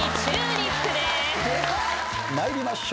参りましょう。